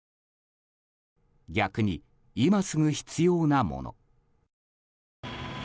逆に、今すぐ必要なもの。